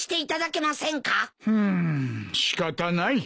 ふーん仕方ない。